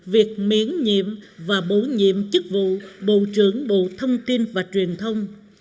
việc miễn nhiệm và bổ nhiệm chức vụ bộ trưởng bộ thông tin và truyền thông